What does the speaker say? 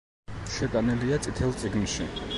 შეტანილია „წითელ წიგნში“.